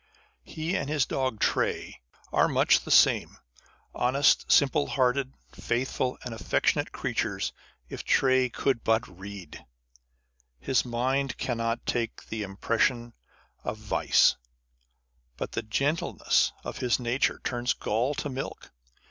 He and his dog Tray are much the same honest, simple hearted, faithful, affectionate creatures â€" if Tray On Reason and Imagination. 57 could but read ! His mind cannot take the impression of vice : but the gentleness of his nature turns gall to milk.